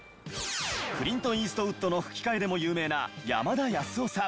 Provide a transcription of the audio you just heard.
クリント・イーストウッドの吹き替えでも有名な山田康雄さん。